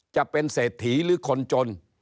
จะเป็นเสถีหรือคนจน